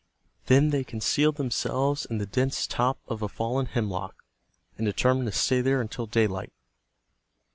Then they concealed themselves in the dense top of a fallen hemlock, and determined to stay there until daylight.